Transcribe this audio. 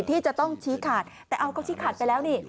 ที่จะต้องชี้ขาดแต่เอาก็ชี้ขาดไปแล้วนี่